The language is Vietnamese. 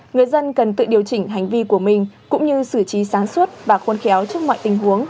người dân cần tự điều chỉnh hành vi của mình cũng như xử trí sáng suốt và khôn khéo trước mọi tình huống